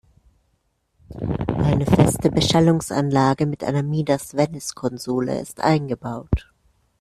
Eine feste Beschallungsanlage mit einer Midas Venice Konsole ist eingebaut.